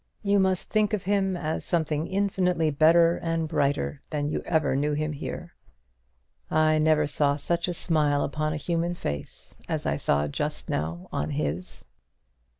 You must think of him as something infinitely better and brighter than you ever knew him here. I never saw such a smile upon a human face as I saw just now on his."